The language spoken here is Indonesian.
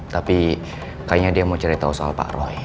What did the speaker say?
tapi kayaknya dia mau cerita soal pak roy